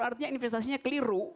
artinya investasinya keliru